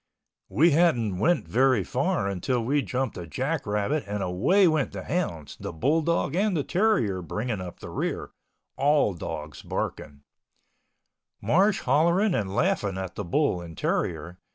We hadn't went very far until we jumped a jack rabbit and away went the hounds, the bull dog and the terrier bringing up the rear—all dogs barking, Marsh hollering and laughing at the bull and terrier.